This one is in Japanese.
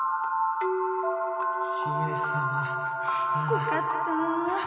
よかった。